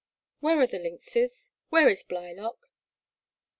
Where are the lynxes? Where is Blylock